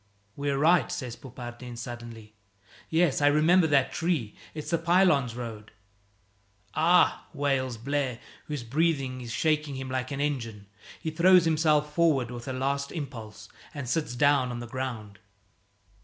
"We're right!" says Poupardin suddenly. "Yes, I remember that tree. It's the Pylones road!" "Ah!" wails Blaire, whose breathing is shaking him like an engine. He throws himself forward with a last impulse and sits down on the ground.